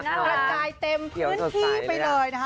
กระจายเต็มพื้นที่ไปเลยนะคะ